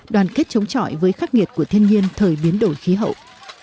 đoàn kết chống chọi với khắc nghiệt của thiên nhiên thời biến đổi khí hậu